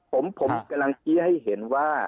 ผมกำลังชี้ให้เห็นว่า